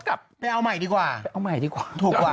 ก็เท่ากับไปเอาใหม่ดีกว่าถูกกว่า